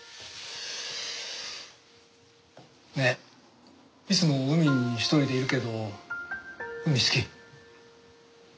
ねえいつも海に１人でいるけど海好き？